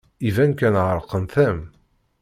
Iban kan ɛerqent-am.